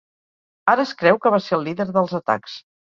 Ara es creu que va ser el líder dels atacs.